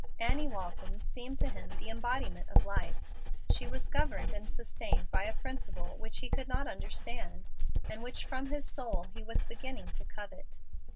Annie Walton seemed to him the embodiment of life. She was governed and sustained by a principle which he could not understand, and which from his soul he was beginning to covet.